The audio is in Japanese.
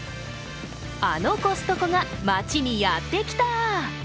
あのコストコが町にやってきた！